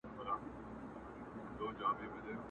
یو له بله بېلېدل سوه د دوستانو!